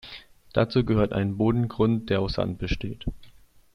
Dazu gehört ein Bodengrund, der aus Sand besteht.